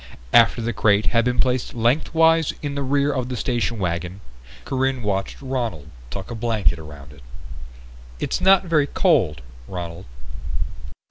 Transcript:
After the crate had been placed lengthwise in the rear of the station wagon, Corinne watched Ronald tuck a blanket around it. "It's not very cold, Ronald."